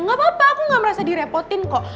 gak apa apa aku gak merasa direpotin kok